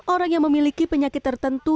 orang yang memiliki penyakit tertentu